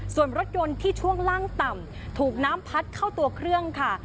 ส่วนรถยนต์ที่ช่วงล่างต่ำถูกน้ำพัดเข้าตัวเครื่องค่ะ